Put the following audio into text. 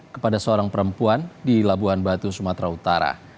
kepada seorang perempuan di labuan batu sumatera utara